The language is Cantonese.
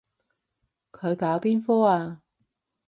佢搞邊科啊？